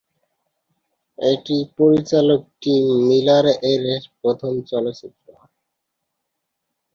এটি পরিচালক Tim Miller এর প্রথম চলচ্চিত্র।